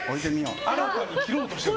新たに切ろうとしてる。